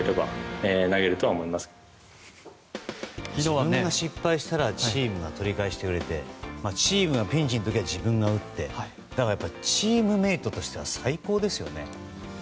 自分が失敗をしたらチームが取り返してくれてチームがピンチの時は自分が打ってチームメートとしては最高ですよね。